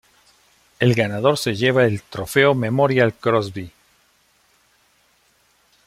El ganador se lleva el "Trofeo Memorial Crosby".